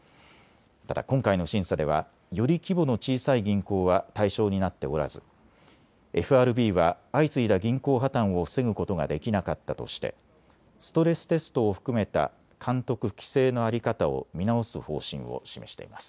ただ今回の審査ではより規模の小さい銀行は対象になっておらずＦＲＢは相次いだ銀行破綻を防ぐことができなかったとしてストレステストを含めた監督・規制の在り方を見直す方針を示しています。